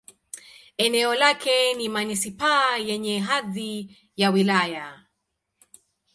Eneo lake ni manisipaa yenye hadhi ya wilaya.